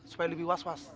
supaya lebih was was